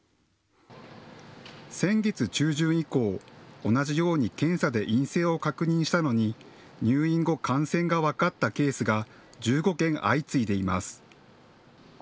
先月中旬以降、同じように検査で陰性を確認したのに入院後、感染が分かったケースが１５件相次いでいます。